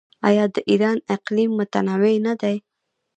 آیا د ایران اقلیم متنوع نه دی؟